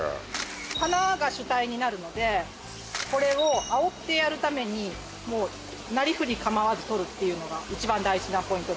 花が主体になるのでこれをあおってやるためにっていうのが一番大事なポイントです